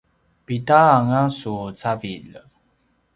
pida anga su cavilj?